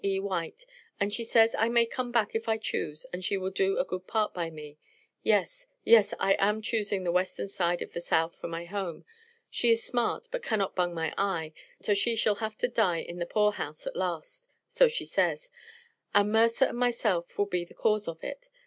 E. White, and she says I may come back if I choose and she will do a good part by me. Yes, yes I am choosing the western side of the South for my home. She is smart, but cannot bung my eye, so she shall have to die in the poor house at last, so she says, and Mercer and myself will be the cause of it.